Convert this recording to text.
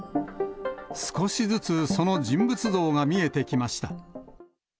少しずつその人物像が見えてきました。